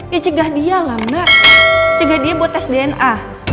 ya cegah dia lah mbak cegah dia buat tes dna